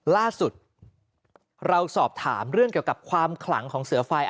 ล่าสุดเราสอบถามเรื่องเกี่ยวกับความขลังของเสือไฟ